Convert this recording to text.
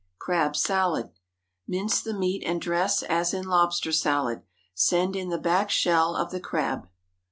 CRAB SALAD. Mince the meat and dress as in lobster salad. Send in the back shell of the crab.